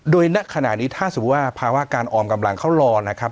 โดยณขณะนี้ถ้าสมมุติว่าภาวะการออมกำลังเขารอนะครับ